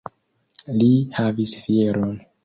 Li havis fieron!